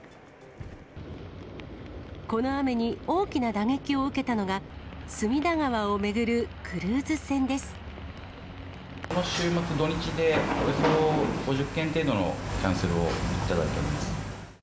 この雨に大きな打撃を受けたのが、この週末、土日で、およそ５０件程度のキャンセルを頂いております。